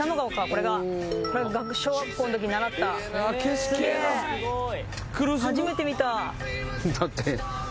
これがこれが小学校の時習ったあっそうよ